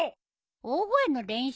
大声の練習だよ。